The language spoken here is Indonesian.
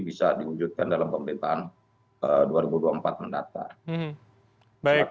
bisa diwujudkan dalam pemerintahan dua ribu dua puluh empat mendatang